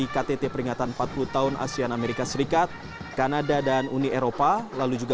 ktt asean jepang